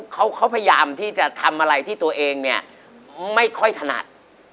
เขาพยายามที่จะทำอะไรที่ตัวเองเนี่ยไม่ค่อยถนัด